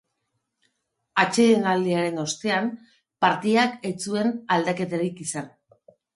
Atsedenaldiaren ostean, partidak ez zuen aldaketarik izan.